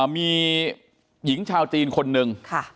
มีหญิงชาวจีนคนหนึ่ง